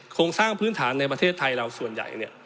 โครงสร้างพื้นฐานในประเทศไทยเราส่วนใหญ่